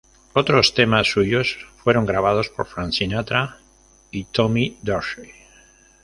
Otros temas suyos fueron grabados por Frank Sinatra y Tommy Dorsey.